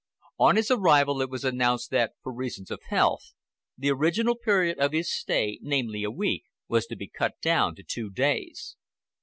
On his arrival it was announced that, for reasons of health, the original period of his stay, namely a week, was to be cut down to two days.